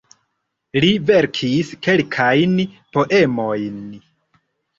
Li verkis kelkajn poemojn.